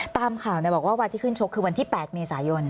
ตามข่าวบอกว่าวันที่ขึ้นชกคือวันที่๘เมษายน